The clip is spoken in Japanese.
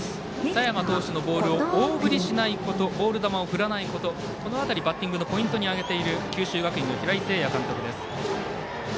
佐山投手のボールを大振りしないことボール球を振らないことこのあたり、バッティングのポイントに挙げている九州学院の平井誠也監督です。